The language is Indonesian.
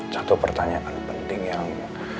satu pertanyaan penting yang